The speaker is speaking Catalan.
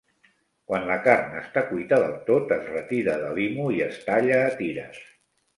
Quan la carn està cuita del tot, es retira de l'imu i es talla a tires.